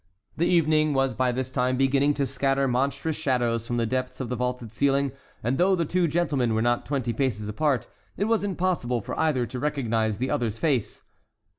The evening was by this time beginning to scatter monstrous shadows from the depths of the vaulted ceiling, and though the two gentlemen were not twenty paces apart, it was impossible for either to recognize the other's face.